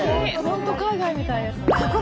本当海外みたいですね。